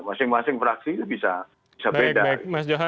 masing masing fraksi itu bisa beda